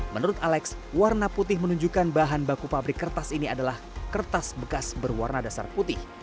menurut alex warna putih menunjukkan bahan baku pabrik kertas ini adalah kertas bekas berwarna dasar putih